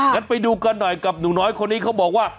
งั้นไปดูกันหน่อยกับหนูน้อยคนนี้เขาบอกว่า